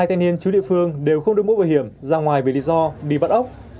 hai thanh niên chú địa phương đều không được mũ bảo hiểm ra ngoài vì lý do bị bắt ốc